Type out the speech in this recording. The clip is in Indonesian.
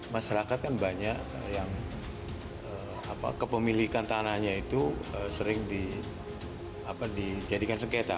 masyarakat kan banyak yang kepemilikan tanahnya itu sering dijadikan sengketa